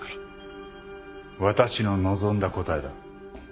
私の望んだ答えだ。